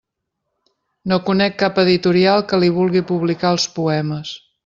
No conec cap editorial que li vulgui publicar els poemes.